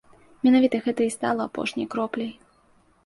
Менавіта гэта і стала апошняй кропляй.